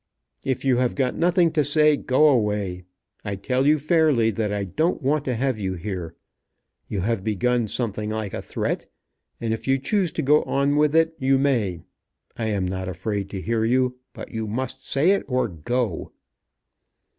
"If you have got nothing to say, go away. I tell you fairly that I don't want to have you here. You have begun something like a threat, and if you choose to go on with it, you may. I am not afraid to hear you, but you must say it or go."